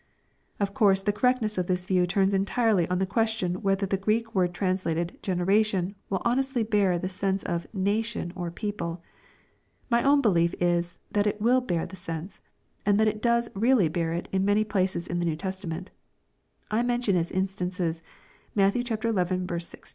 Of course the correctness of this view turns entirely on the question whether the G reek word translated " generation," will honestly bear the sense of '* nation," or people." My own belief is, that it will bear the sense, and that it does really bear it in many places of the New Testament. I mention as instances, Matt xi. 16 ; xii.